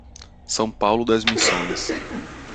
São Paulo das Missões